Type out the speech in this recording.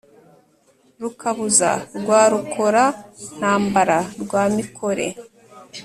Rukabuza rwa Rukora-ntambara rwa Mikore,